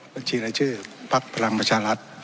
บัญชีรายชื่อพักพลังประชารัฐ